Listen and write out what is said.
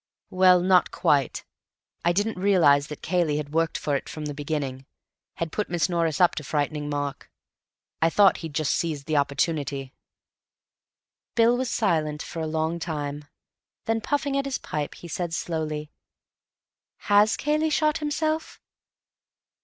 "Well, not quite. I didn't realize that Cayley had worked for it from the beginning—had put Miss Norris up to frightening Mark. I thought he'd just seized the opportunity." Bill was silent for a long time. Then, puffing at his pipe, he said slowly, "Has Cayley shot himself?"